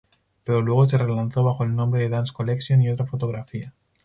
Pero luego se re-lanzó bajo el nombre de Dance Collection y otra fotografía.